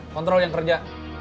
kontrol yang kerja